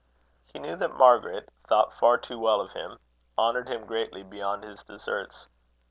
He knew that Margaret thought far too well of him honoured him greatly beyond his deserts.